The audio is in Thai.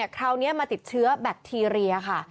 คราวนี้มาติดเชื้อแบคทีเรียค่ะ